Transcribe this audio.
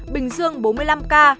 bình dương bốn mươi năm ca